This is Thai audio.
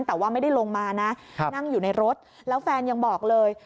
แต่ว่าไม่ได้ลงมานะนั่งอยู่ในรถแล้วแฟนยังบอกเลย